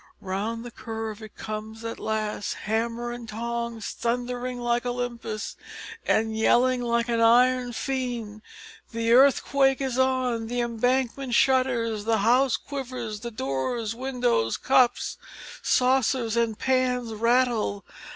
Round the curve it comes at last, hammer and tongs, thundering like Olympus, and yelling like an iron fiend. The earthquake is "on!" The embankment shudders; the house quivers; the doors, windows, cups, saucers, and pans rattle.